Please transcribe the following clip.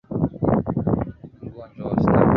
magonjwa na ustawi na kukadiria gharama hizo